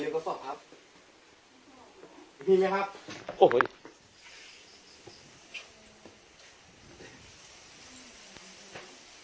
กุภัยเยอะกระสอบครับ